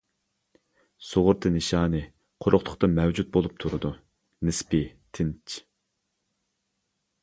سۇغۇرتا نىشانى قۇرۇقلۇقتا مەۋجۇت بولۇپ تۇرىدۇ، نىسپىي تىنچ.